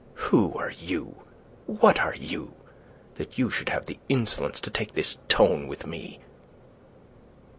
Who are you? What are you, that you should have the insolence to take this tone with me?"